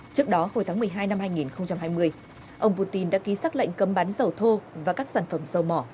trước đó hồi tháng một mươi hai năm hai nghìn hai mươi ông putin đã ký xác lệnh cấm bán dầu thô và các sản phẩm dầu mỏ